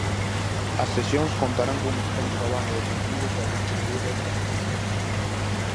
As sesións contarán cun extenso abano de contidos a distribuír desta maneira: